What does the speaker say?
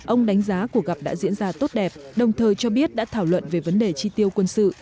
ông đánh giá cuộc gặp đã diễn ra tốt đẹp đồng thời cho biết đã thảo luận về vấn đề chi tiêu quân sự